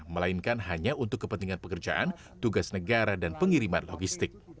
melainkan hanya untuk kepentingan pekerjaan tugas negara dan pengiriman logistik